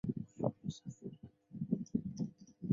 有野晋哉与滨口优是国中与高中同学。